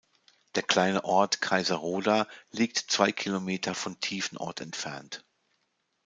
Der kleine Ort Kaiseroda liegt zwei Kilometer von Tiefenort entfernt.